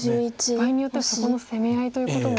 場合によってはそこの攻め合いということも。